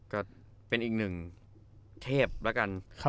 ก็เป็นอีกหนึ่งเทพแล้วกัน